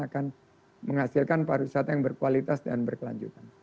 akan menghasilkan pariwisata yang berkualitas dan berkelanjutan